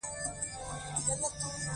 له هغه خپلې هم هېرې دي.